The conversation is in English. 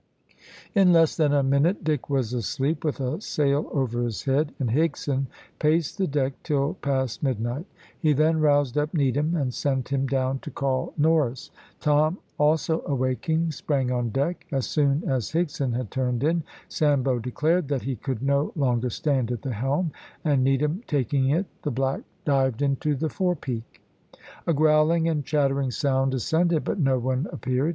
In less than a minute Dick was asleep with a sail over his head, and Higson paced the deck till past midnight. He then roused up Needham, and sent him down to call Norris. Tom also awaking sprang on deck. As soon as Higson had turned in, Sambo declared that he could no longer stand at the helm, and Needham taking it the black dived into the forepeak. A growling and chattering sound ascended, but no one appeared.